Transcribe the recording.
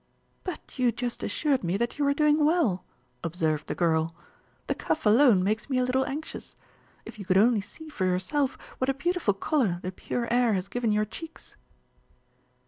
"But you just assured me that you were doing well," observed the girl. "The cough alone makes me a little anxious. If you could only see for yourself what a beautiful colour the pure air has given your cheeks!"